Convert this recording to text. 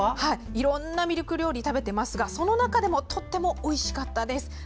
いろんなミルク料理を食べてますがその中でもとってもおいしかったです。